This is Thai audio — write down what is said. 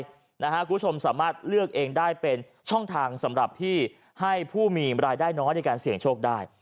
คุณผู้ชมสามารถเลือกเองได้เป็นช่องทางสำหรับที่ให้ผู้มีรายได้น้อยในการเสี่ยงโชคได้